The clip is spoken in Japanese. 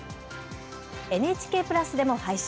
ＮＨＫプラスでも配信。